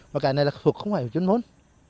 mà cái này là thuộc không phải ở chân môn